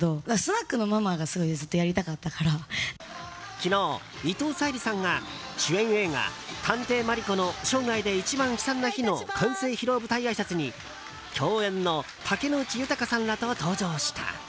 昨日、伊藤沙莉さんが主演映画「探偵マリコの生涯で一番悲惨な日」の完成披露舞台あいさつに共演の竹野内豊さんらと登場した。